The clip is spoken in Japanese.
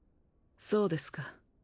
そうですか。